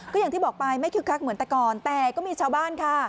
ก็อย่างที่บอกไปไม่คึกคักเหมือนแต่ก่อนแต่ก็มีชาวบ้านค่ะ